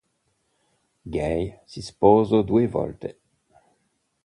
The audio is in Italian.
Gaye si sposò due volte.